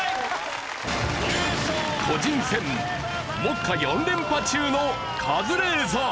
個人戦目下４連覇中のカズレーザー。